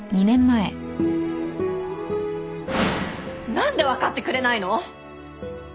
何で分かってくれないの？